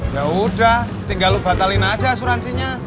yaudah tinggal lo batalin aja asuransinya